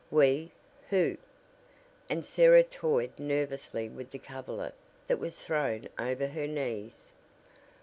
"We? Who?" and Sarah toyed nervously with the coverlet that was thrown over her knees.